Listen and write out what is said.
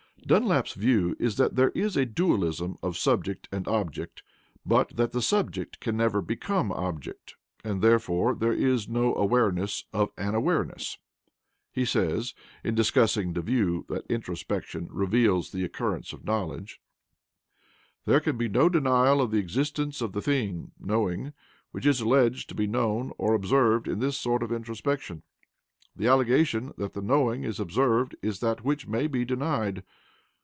Dunlap's view is that there is a dualism of subject and object, but that the subject can never become object, and therefore there is no awareness of an awareness. He says in discussing the view that introspection reveals the occurrence of knowledge: "There can be no denial of the existence of the thing (knowing) which is alleged to be known or observed in this sort of 'introspection.' The allegation that the knowing is observed is that which may be denied.